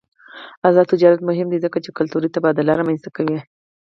آزاد تجارت مهم دی ځکه چې کلتوري تبادله رامنځته کوي.